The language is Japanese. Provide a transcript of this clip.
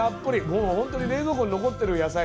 もう本当に冷蔵庫に残ってる野菜